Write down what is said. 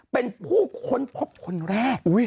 เป็นผู้ค้นพบคนแรก